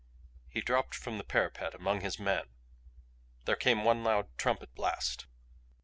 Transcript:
He dropped from the parapet among his men. There came one loud trumpet blast.